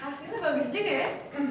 hasilnya bagus juga ya